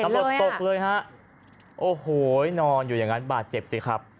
รถตกเลยฮะโอ้โหนอนอยู่อย่างนั้นบาดเจ็บสิครับ